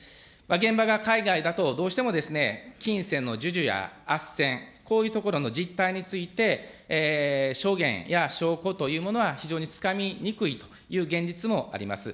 現場が海外だと、どうしても金銭の授受やあっせん、こういうところの実態について、証言や証拠というものは非常につかみにくいという現実もあります。